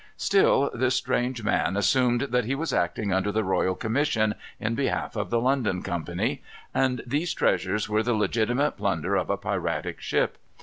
Still this strange man assumed that he was acting under the royal commission, in behalf of the London company; and these treasures were the legitimate plunder of a piratic ship.